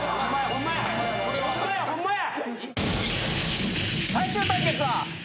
ホンマやホンマや。